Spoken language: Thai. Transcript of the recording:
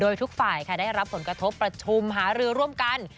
โดยทุกฝ่ายค่ะได้รับผลกระทบประชุมหารือร่วมกัน